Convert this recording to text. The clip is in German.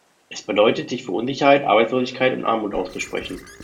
Es bedeutet, sich für Unsicherheit, Arbeitslosigkeit und Armut auszusprechen.